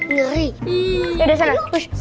aduh ada sana